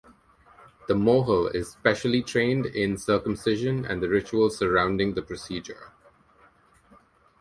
The mohel is specially trained in circumcision and the rituals surrounding the procedure.